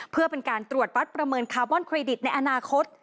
เพื่อเป็นการตรวจวัดประเมินคาร์บอนเครดิตในอนาคต